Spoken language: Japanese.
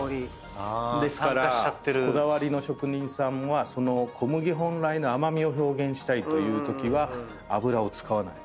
ですからこだわりの職人さんは小麦本来の甘味を表現したいというときは油を使わない。